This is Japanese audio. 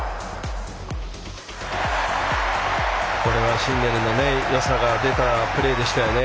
これはシンネルのよさが出たプレーでしたよね。